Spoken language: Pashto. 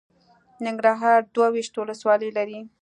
ننګرهار دوه ویشت ولسوالۍ لري.